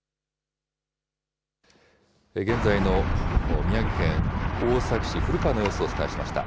現在の宮城県大崎市古川の様子をお伝えしました。